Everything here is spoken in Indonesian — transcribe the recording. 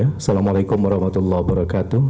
assalamualaikum warahmatullahi wabarakatuh